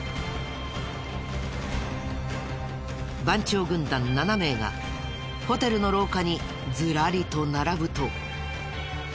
番長軍団７名がホテルの廊下にずらりと並ぶと。